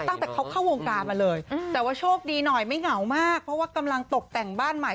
ตั้งแต่เขาเข้าวงการมาเลยแต่ว่าโชคดีหน่อยไม่เหงามากเพราะว่ากำลังตกแต่งบ้านใหม่